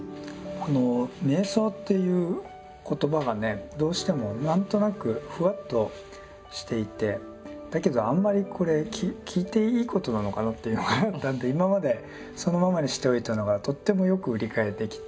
この瞑想っていう言葉がねどうしても何となくふわっとしていてだけどあんまりこれ聞いていいことなのかなっていうのがあったので今までそのままにしておいたのがとってもよく理解できて。